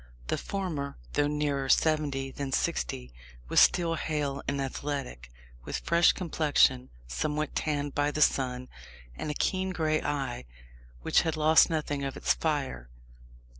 The former, though nearer seventy than sixty, was still hale and athletic, with fresh complexion, somewhat tanned by the sun, and a keen grey eye, which had lost nothing of its fire.